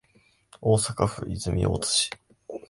大阪府泉大津市